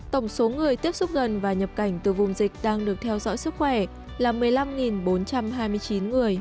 tổng số người tiếp xúc gần và nhập cảnh từ vùng dịch đang được theo dõi sức khỏe là một mươi năm bốn trăm hai mươi chín người